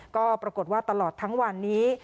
ก็ปรากฏว่าตลอดทั้งวันนี้